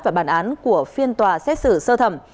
và bản án của phiên tòa xét xử sơ thẩm